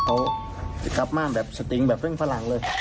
เขากลับมาแบบสติงแบบเร่งฝรั่งเลย